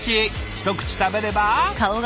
一口食べれば。